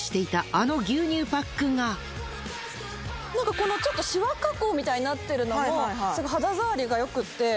更にちょっとシワ加工みたいになってるのもすごく肌触りがよくて。